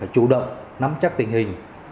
chủ động nắm chắc tình hình